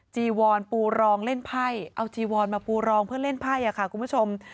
จีวอนปูรองเล่นไพ่เอาจีวอนมาปูรองเพื่อเล่นไพ่ค่ะคุณผู้ชม